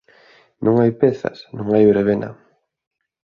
Non hai pezas, non hai verbena.